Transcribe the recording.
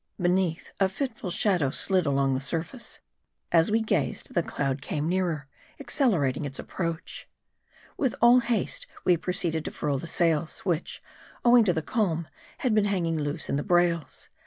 Beneath, a fitful shadow slid along the sur face. As we gazed, the cloud came nearer ; accelerating its approach. With all haste we proceeded to furl the sails, which, owing to the calm, had been hanging loose in the brails.